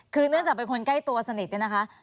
คือเนื่องจากเป็นคนใกล้ตัวสนิทเนี่ยนะคะ